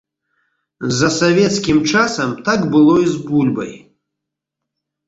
За савецкім часам так было і з бульбай.